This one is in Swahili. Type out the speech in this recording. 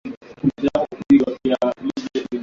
katakata viazi lishe vipande nne